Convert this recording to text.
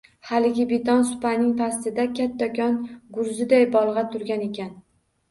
Haligi beton supaning pastida kattakon gurziday bolg‘a turgan ekan.